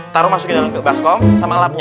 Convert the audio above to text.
taruh masukin ke dalam kebaskong sama lapnya